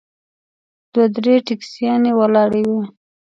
دوه درې ټیکسیانې ولاړې وې.